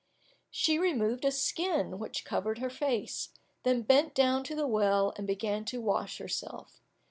She removed a skin which covered her face, then bent down to the well, and began to wash herself.